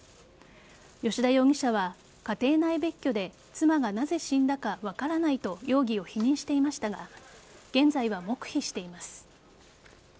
吉田容疑者は家庭内別居で妻がなぜ死んだか分からないと容疑を否認していましたが現在は黙秘しています。